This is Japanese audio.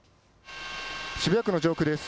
渋谷区の上空です。